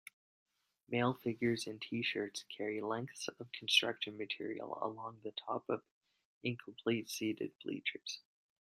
Male figures in Tshirts carry lengths of construction material along the top of incomplete seated bleachers.